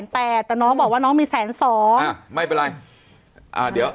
แต่น้องบอกว่าน้องมีแสนสองอ่าไม่เป็นไรอ่าเดี๋ยว